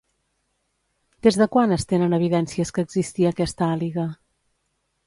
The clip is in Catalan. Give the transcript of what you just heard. Des de quan es tenen evidències que existia aquesta Àliga?